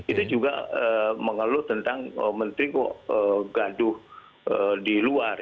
itu juga mengeluh tentang menteri kok gaduh di luar